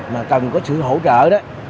mà cần có sự hỗ trợ đó